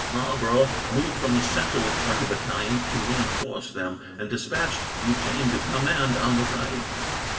Marlborough moved from the centre with twenty battalions to reinforce them, and despatched Eugene to command on the right.